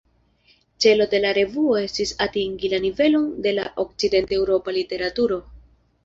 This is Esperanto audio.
Celo de la revuo estis atingi la nivelon de la okcident-Eŭropa literaturo.